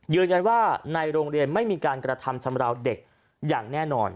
ยืนยันว่าในโรงเรียนไม่มีการกระทำชำราวเด็กอย่างแน่นอน